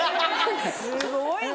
すごいな。